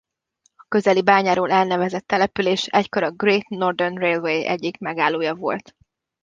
A közeli bányáról elnevezett település egykor a Great Northern Railway egy megállója volt.